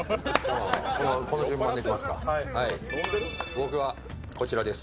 僕はこちらです。